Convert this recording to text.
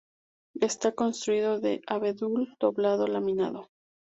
Está construido de abedul doblado laminado.